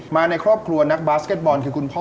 ในครอบครัวนักบาสเก็ตบอลคือคุณพ่อ